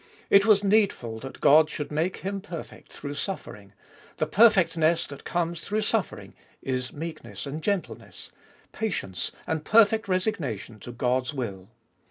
It was needful that God should make Him perfect through suffering ; the perfectness that comes through suffering is meekness and gentleness, patience and perfect resignation to God's will.